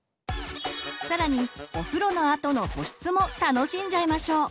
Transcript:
更にお風呂のあとの保湿も楽しんじゃいましょう！